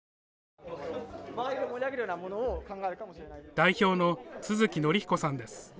代表の都築則彦さんです。